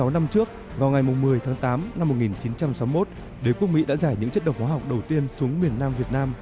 sáu năm trước vào ngày một mươi tháng tám năm một nghìn chín trăm sáu mươi một đế quốc mỹ đã giải những chất độc hóa học đầu tiên xuống miền nam việt nam